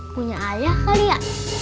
punya ayah kali ya